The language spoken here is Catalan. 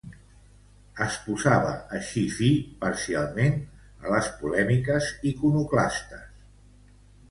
Es posava així fi parcialment a les polèmiques iconoclastes.